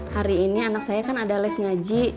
hari ini anak saya kan ada les ngaji